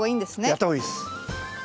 やった方がいいです。